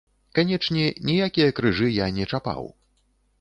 Канечне, ніякія крыжы я не чапаў.